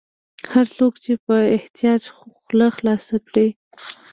هر څوک چې په احتیاج خوله خلاصه کړي.